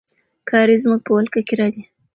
کارېز زموږ په ولکه کې راځي.